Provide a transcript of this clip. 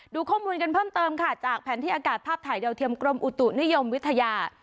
ดูข้อมูลกันเพิ่มเติมค่ะจากแผนที่อากาศภาพถ่ายดาวเทียมกรมอุตุนิยมวิทยา